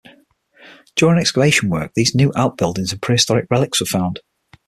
During excavation work for these new outbuildings prehistoric relicts were found.